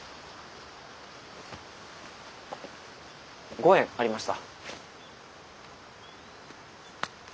５円ありました。